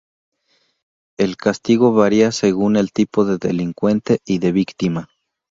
El castigo varía según el tipo de delincuente y de víctima.